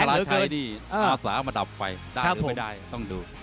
อินทราชัยนี่อาสามาดับไฟได้หรือไม่ได้ต้องดูต้องมีสูตร